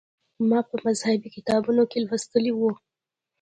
ما په مذهبي کتابونو کې لوستي و.